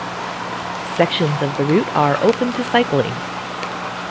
Sections of the route are open to cycling.